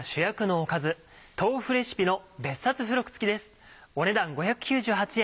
お値段５９８円